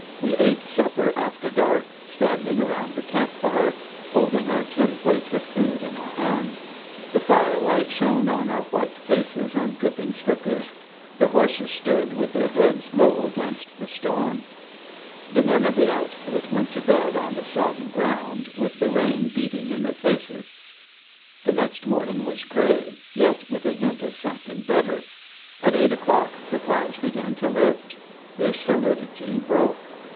We ate supper after dark, standing around the camp fire, holding our tin plates of food in our hands. The firelight shone on our white faces and dripping slickers. The horses stood with their heads low against the storm. The men of the outfit went to bed on the sodden ground with the rain beating in their faces. The next morning was gray, yet with a hint of something better. At eight o'clock, the clouds began to lift. Their solidity broke.